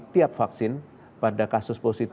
menunjukkan bahwa v satu enam satu dari inggris